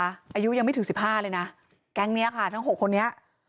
อายุยังไม่ถึงสิบห้าเลยนะแก๊งนี้ค่ะทั้ง๖คนนี้